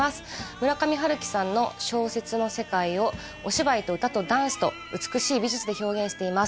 村上春樹さんの小説の世界をお芝居と歌とダンスと美しい美術で表現しています